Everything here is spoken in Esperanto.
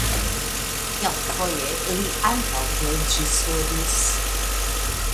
Kelkfoje li ankaŭ reĝisoris.